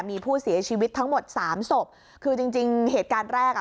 มีผู้เสียชีวิตทั้งหมดสามศพคือจริงจริงเหตุการณ์แรกอ่ะ